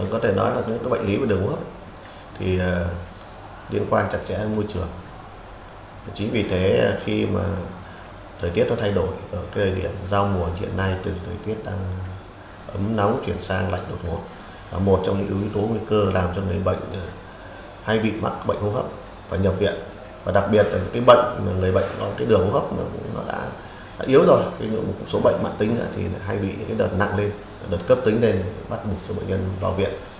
các bệnh lý hô hốc đã yếu rồi nhưng một số bệnh mạng tính hay bị đợt nặng lên đợt cấp tính nên bắt buộc cho bệnh nhân vào viện